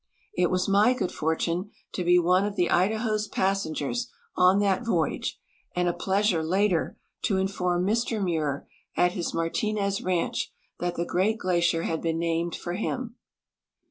It was ni}'' good fortune to be one of the Idaho's passengers on that voyage, and a pleasure later to inform Mr Muir at his Martinez ranch that the great glacier had been named for him.